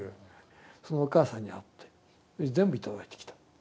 そのお母さんに会って全部頂いてきた。